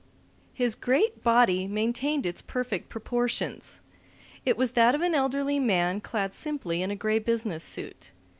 His great body maintained its perfect proportions. It was that of an elderly man clad simply in a gray business suit.